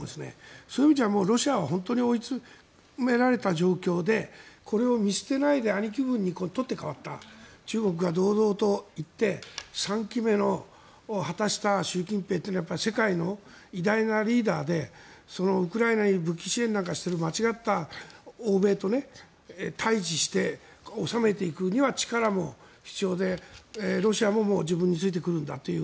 そういう意味ではロシアは本当に追い詰められた状況でこれを見捨てないで兄貴分に取って代わった中国が堂々と行って３期目を果たした習近平というのは世界の偉大なリーダーでウクライナに武器支援なんかをしている間違った欧米と対峙して、収めていくには力も必要で、ロシアも自分についてくるんだという。